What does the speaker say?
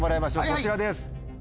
こちらです。